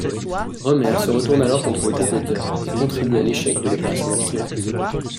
Remer se retourne alors contre les comploteurs, et contribue à l'échec de l'opération Walkyrie.